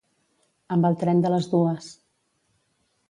Amb el tren de les dues.